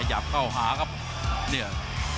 จับเข้าหาครับเนี่ย